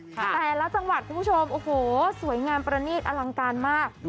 แต่ละจังหวัดคุณผู้ชมโอ้โหสวยงามประนีตอลังการมาก